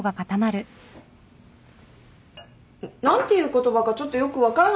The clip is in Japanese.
何ていう言葉かちょっとよく分からないな。